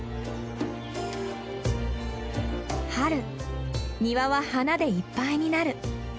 春庭は花でいっぱいになる。